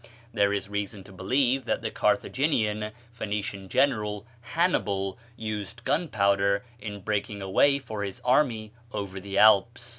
There is reason to believe that the Carthaginian (Phoenician) general, Hannibal, used gunpowder in breaking a way for his army over the Alps.